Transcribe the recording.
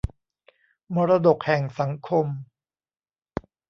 มรดกแห่งสังคม